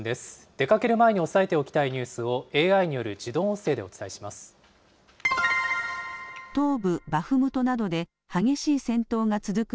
出かける前に押さえておきたいニュースをＡＩによる自動音声でお東部バフムトなどで激しい戦闘が続く